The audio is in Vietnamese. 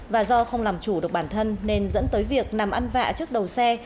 và do không làm chủ được bản thân nên dẫn tới việc nằm ăn vạ trước đầu xe